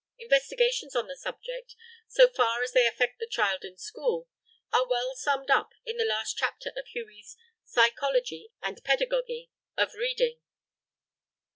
Investigations on the subject, so far as they affect the child in school, are well summed up in the last chapter of Huey's "Psychology and Pedagogy of Reading."